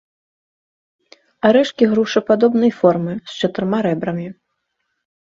Арэшкі грушападобнай формы, з чатырма рэбрамі.